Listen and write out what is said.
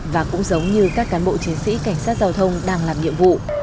và cũng giống như các cán bộ chiến sĩ cảnh sát giao thông đang làm nhiệm vụ